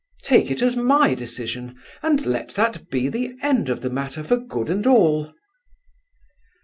Take it as my decision; and let that be the end of the matter for good and all."